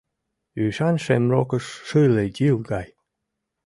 Ӱшан шемрокыш шыле йыл гай.